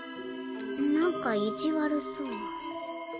なんか意地悪そう。